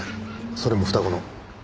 それも双子の。